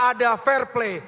karena ada fair play